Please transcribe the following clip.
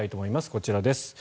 こちらです。